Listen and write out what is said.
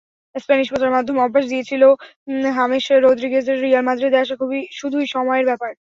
Spanish প্রচারমাধ্যম আভাস দিয়েছিল, হামেস রদ্রিগেজের রিয়াল মাদ্রিদে আসা শুধুই সময়ের ব্যাপার।